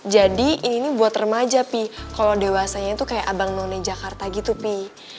jadi ini buat remaja pi kalo dewasanya tuh kayak abang none jakarta gitu pi